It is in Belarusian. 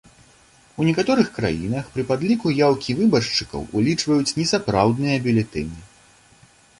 У некаторых краінах пры падліку яўкі выбаршчыкаў улічваюць несапраўдныя бюлетэні.